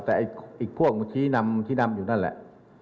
แต่พวกขี้นำอยู่นั่นแหละ